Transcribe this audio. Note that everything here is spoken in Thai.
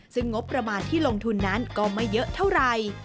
ซึ่งงบประมาณที่ลงทุนนั้นก็ไม่เยอะเท่าไหร่